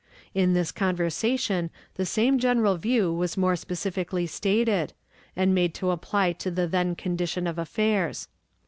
In this conversation the same general view was more specifically stated, and made to apply to the then condition of affairs.